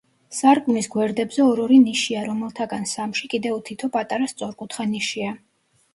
სარკმლის გვერდებზე ორ-ორი ნიშია, რომელთაგან სამში კიდევ თითო პატარა სწორკუთხა ნიშია.